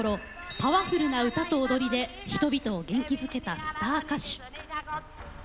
パワフルな歌と踊りで人々を元気づけたスター歌手